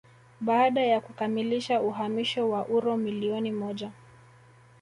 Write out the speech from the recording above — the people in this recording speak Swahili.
baada ya kukamilisha uhamisho wa uro milioni moja